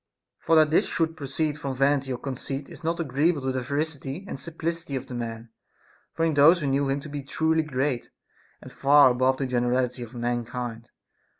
For that this should proceed from vanity or conceit is not agreeable to the veracity and 390 A DISCOURSE CONCERNING simplicity of the man ; for in those we knew him to be truly great, and far above the generality of mankind.